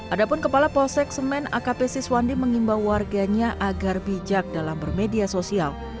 adapun kepala polsek semen akp siswandi mengimbau warganya agar bijak dalam bermedia sosial